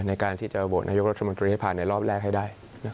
ในการที่จะโหวตนายกรัฐมนตรีให้ผ่านในรอบแรกให้ได้